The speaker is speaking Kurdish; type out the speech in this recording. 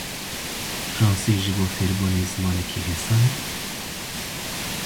Fransî ji bo fêrbûnê zimanekî hêsan e?